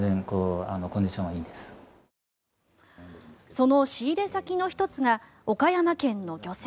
その仕入れ先の１つが岡山県の漁船